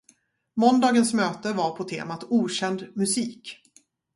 Måndagens möte var på temat okänd musik.